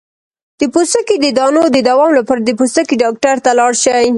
د پوستکي د دانو د دوام لپاره د پوستکي ډاکټر ته لاړ شئ